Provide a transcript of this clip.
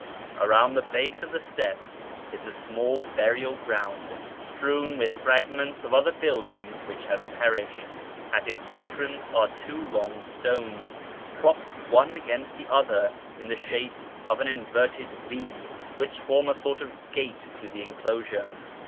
Around the base of the steps is a small burial gi'ound strewn with fragments of other buildings which have perished. At its entrance are two long stones, propped one against the other in the shape of an inverted V, which form a sort of gate to the enclosure.